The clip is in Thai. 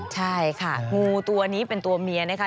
ใช่ค่ะงูตัวนี้เป็นตัวเมียนะคะ